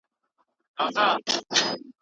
د وارداتو کموالی اقتصاد ته زیان رسوي.